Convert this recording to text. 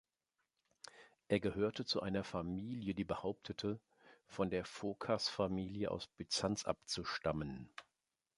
Er gehörte zu einer Familie, die behauptete, von der Phokas-Familie aus Byzanz abzustammen.